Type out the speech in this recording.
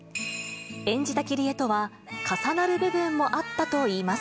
演じたキリエとは、重なる部分もあったといいます。